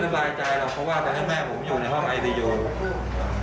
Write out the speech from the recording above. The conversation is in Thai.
ไม่สบายใจหรอกเพราะว่าตอนนี้แม่ผมอยู่ในห้องไอทีโย